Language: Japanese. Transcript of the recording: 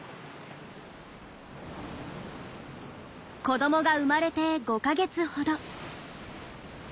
子どもが生まれて５か月ほど。